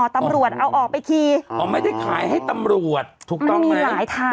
ตำรวจเอาออกไปขี่อ๋อไม่ได้ขายให้ตำรวจถูกต้องไหม